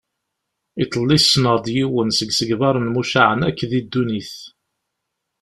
Iḍelli ssneɣ-d yiwen seg isegbaren mucaεen akk di ddunit.